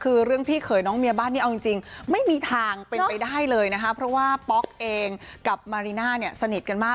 คือเรื่องพี่เขยน้องเมียบ้านนี้เอาจริงไม่มีทางเป็นไปได้เลยนะคะเพราะว่าป๊อกเองกับมาริน่าเนี่ยสนิทกันมาก